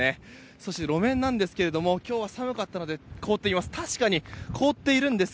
そして、路面なんですが今日は寒かったので凍っています。